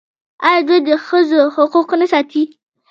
آیا دوی د ښځو حقوق نه ساتي؟